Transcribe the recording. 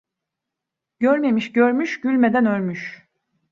Görmemiş görmüş, gülmeden ölmüş.